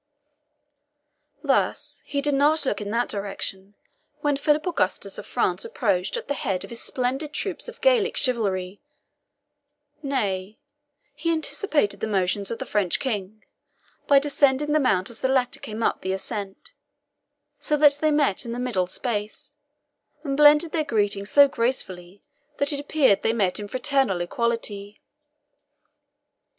Thus, he did not look in that direction when Philip Augustus of France approached at the head of his splendid troops of Gallic chivalry nay, he anticipated the motions of the French King, by descending the Mount as the latter came up the ascent, so that they met in the middle space, and blended their greetings so gracefully that it appeared they met in fraternal equality.